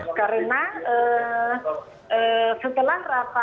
karena setelah rapat van mustadi dan pada rapat pada tidak mufarifat